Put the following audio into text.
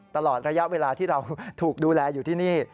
ตลอดระยะเวลาที่เราถูกดูแลอยู่ที่นี่